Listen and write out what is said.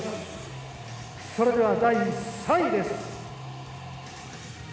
それでは第３位です。